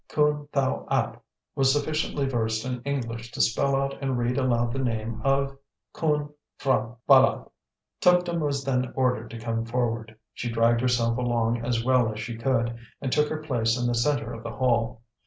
Khoon Thow App was sufficiently versed in English to spell out and read aloud the name of "Khoon P'hra Bâlât." Tuptim was then ordered to come forward. She dragged herself along as well as she could, and took her place in the centre of the hall.